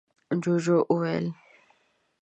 ُجوجُو وويل: